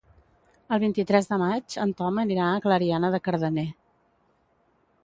El vint-i-tres de maig en Tom anirà a Clariana de Cardener.